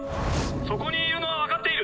そこにいるのは分かっている。